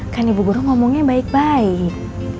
kan ibu guru ngomongnya baik baik